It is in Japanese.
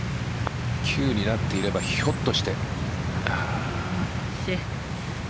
９になっていればひょっとして。